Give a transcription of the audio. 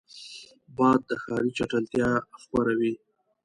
باد د ښاري چټلتیا خپروي